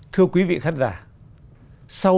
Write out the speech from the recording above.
thưa quý vị khán giả sau